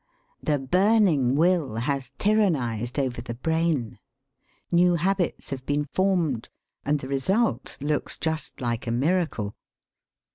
The burning will has tyrannised over the brain. New habits have been formed. And the result looks just like a miracle.